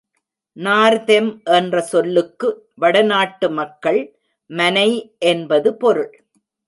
Northern என்ற சொல்லுக்கு வட நாட்டு மக்கள் மனை என்பது பொருள்.